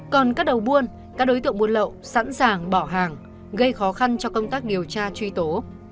còn các đầu buôn các đối tượng buôn lậu sẵn sàng bỏ hàng gây khó khăn cho công tác điều tra truy tố